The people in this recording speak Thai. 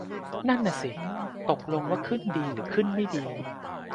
นั่นน่ะสิ ตกลงว่าขึ้นดีหรือขึนไม่ดี